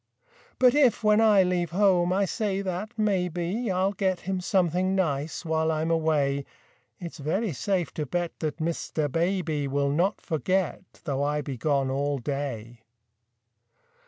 But if, when I leave home, I say that maybe I'll get him something nice while I'm away, It's very safe to bet that Mr. Baby Will not forget, though I be gone all day.